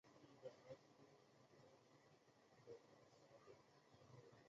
一个常用的设计话语社区的工具是地图。